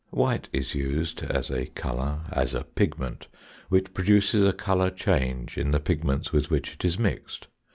White is used as a colour, as a pigment, which produces a colour change in the pigments with which it is mixed.